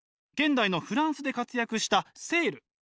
現代のフランスで活躍したセール。